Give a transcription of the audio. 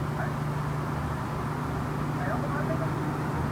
په دې ښار كي داسي ډېر به لېونيان وي!!..